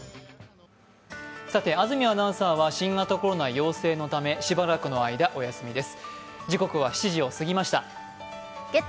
安住アナウンサーは新型コロナ陽性のためしばらくの間、お休みです。